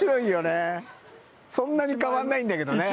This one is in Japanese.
そんなに変わんないんだけどね